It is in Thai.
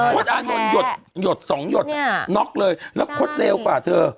อานนท์หยด๒หยดน็อกเลยแล้วคดเร็วกว่าเธอ